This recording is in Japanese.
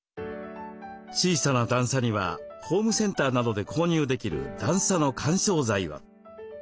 小さな段差にはホームセンターなどで購入できる段差の緩衝材を。